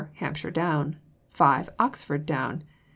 Hampshire Down. 5. Oxford Down.